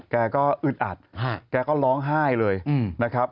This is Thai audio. แกก็อึดอัดแกก็ร้องไห้เลยนะครับ